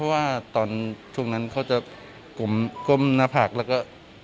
แต่ว่าตอนช่วงนั้นเขาจะกลมกลมหน้าผักแล้วก็